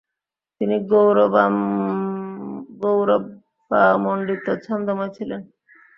তিনি গৌরবামণ্ডিত ছন্দময় ছিলেন।